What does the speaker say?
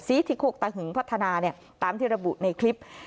ที่โคกตะหึงพัฒนาตามที่ระบุในคลิป